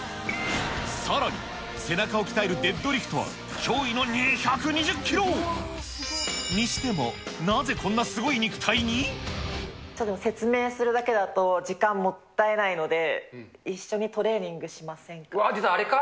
さらに、背中を鍛えるデッドリフトは、驚異の２２０キロ。にしても、なぜこんなすごい肉体ちょっと説明するだけだと、時間もったいないので、うわ、出た、あれか？